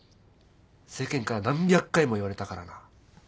世間から何百回も言われたからな。